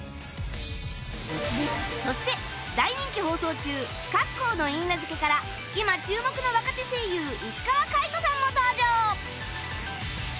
そして大人気放送中『カッコウの許嫁』から今注目の若手声優石川界人さんも登場！